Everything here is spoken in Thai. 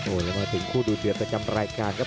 โอ้ยแล้วมาถึงคู่ดูเฉียบจากกรรมรายการครับ